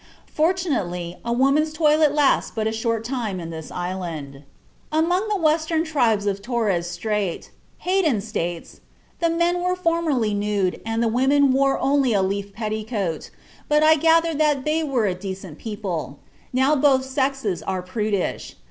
Fortunately a lady's toilet lasts but a short time in this island." (Carl Semper, Die Palau Inseln, 1873, p. 68.) Among the Western Tribes of Torres Strait, Haddon states, "the men were formerly nude, and the women wore only a leaf petticoat, but I gather that they were a decent people; now both sexes are prudish.